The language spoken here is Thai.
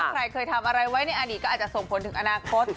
ใครเคยทำอะไรไว้ในอดีตก็อาจจะส่งผลถึงอนาคต